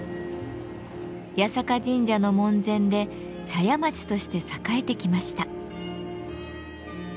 八坂神社の門前で茶屋町として栄えてきました。